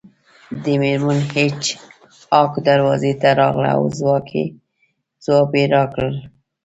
میرمن هیج هاګ دروازې ته راغله او ځواب یې ورکړ